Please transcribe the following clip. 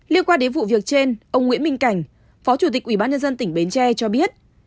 liên quan đến vụ việc trên ông nguyễn minh cảnh phó chủ tịch ubnd tỉnh bến tre cho biết